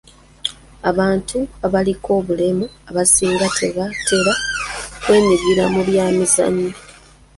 Abantu abaliko obulemu abasinga tebatera kwenyigira mu byamizannyo.